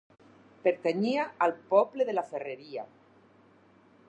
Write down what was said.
Pertanyia al poble de la Ferreria.